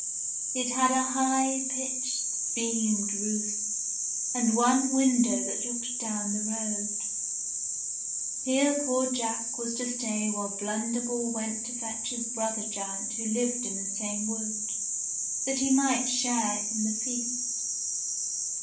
It had a high pitched, beamed roof, and one window that looked down the road. Here poor Jack was to stay while Blunderbore went to fetch his brother giant who lived in the same wood, that he might share in the feast.